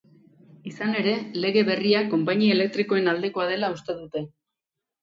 Izan ere, lege berria konpainia elektrikoen aldekoa dela uste dute.